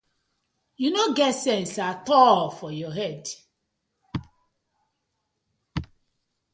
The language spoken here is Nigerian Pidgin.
Yu no sence atol for yah head.